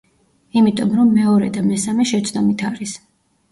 იმიტომ რომ მეორე და მესამე შეცდომით არის.